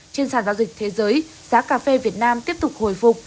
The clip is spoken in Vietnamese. trên sàn giao dịch thế giới giá cà phê việt nam tiếp tục hồi phục